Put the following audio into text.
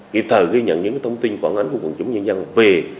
kịp thời ghi nhận những thông tin quản ánh của quân chúng nhân dân về